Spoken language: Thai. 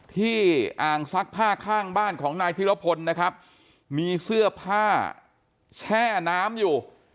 อ่างซักผ้าข้างบ้านของนายธิรพลนะครับมีเสื้อผ้าแช่น้ำอยู่